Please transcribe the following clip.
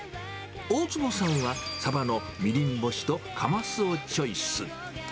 大坪さんはサバのみりん干しとカマスをチョイス。